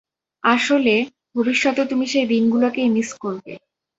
আসলে, ভবিষ্যতে তুমি সেই দিনগুলোকেই মিস করবে।